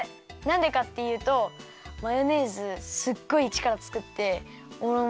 なんでかっていうとマヨネーズすっごいちからつかっておれ